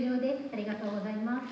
ありがとうございます。